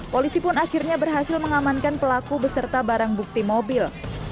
polisi pun akhirnya berhasil mengamankan pelaku beserta barang bukti mobil